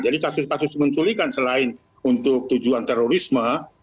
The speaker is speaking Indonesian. jadi kasus kasus penculikan selain untuk tujuan terorisme